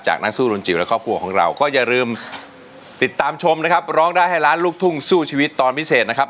นักสู้รุนจิ๋วและครอบครัวของเราก็อย่าลืมติดตามชมนะครับร้องได้ให้ล้านลูกทุ่งสู้ชีวิตตอนพิเศษนะครับ